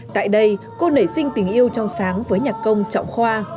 tại đây cô nảy sinh tình yêu trong sáng với nhạc công trọng khoa